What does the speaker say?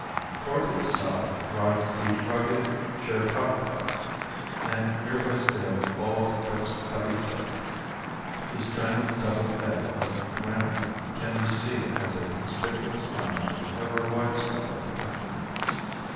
Far to the south rise the rugged Chiricahuas, and nearby stands bald Dos Cabezas, whose giant double head of granite can be seen as a conspicuous landmark over a wide scope of country.